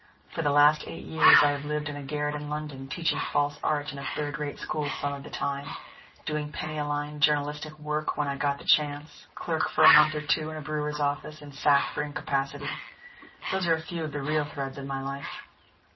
For the last eight years I have lived in a garret in London, teaching false art in a third rate school some of the time, doing penny a line journalistic work when I got the chance; clerk for a month or two in a brewer's office and sacked for incapacity those are a few of the real threads in my life."